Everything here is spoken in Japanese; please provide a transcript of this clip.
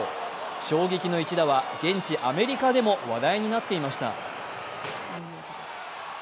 衝撃の一打は現地アメリカでも話題になっていました。